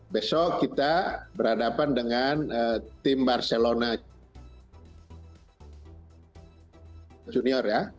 besok kita berhadapan dengan tim barcelona junior ya